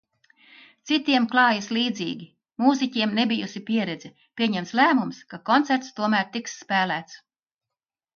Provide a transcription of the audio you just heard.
Citiem klājas līdzīgi. Mūziķiem nebijusi pieredze – pieņemts lēmums, ka koncerts tomēr tiks spēlēts.